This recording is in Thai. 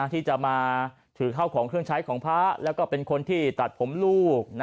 ที่จะมาถือเข้าของเครื่องใช้ของพระแล้วก็เป็นคนที่ตัดผมลูก